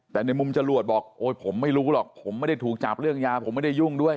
แต่ในมุมจรวดบอกโอ้ยผมไม่รู้หรอกผมไม่ได้ถูกจับเรื่องยาผมไม่ได้ยุ่งด้วย